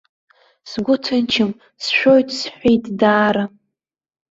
Сгәы ҭынчым, сшәоит, сҳәеит, даара.